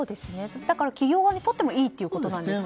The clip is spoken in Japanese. だから企業にとってもいいということですね。